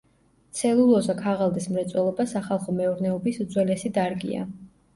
ცელულოზა-ქაღალდის მრეწველობა სახალხო მეურნეობის უძველესი დარგია.